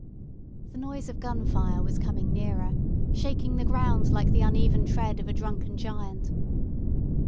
The noise of gunfire was coming nearer, shaking the ground like the uneven tread of a drunken giant.